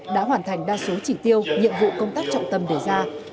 đã hoàn thành đa số chỉ tiêu nhiệm vụ công tác trọng tâm đề ra